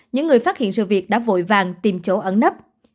những người phát hiện sự việc đã vội vàng tìm chỗ ẩn nấp